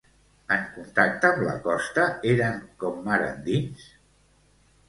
En contacte amb la costa eren com mar endins?